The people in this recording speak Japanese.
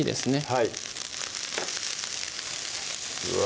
はいうわ